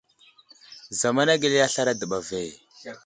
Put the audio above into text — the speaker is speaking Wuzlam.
Zamana gəli aslaray a dəɓa ve.